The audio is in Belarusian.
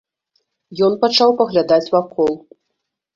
Ён пачаў паглядаць вакол.